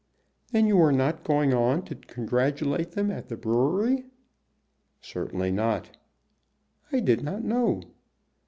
"Then you were not going on to congratulate them at the brewery?" "Certainly not." "I did not know."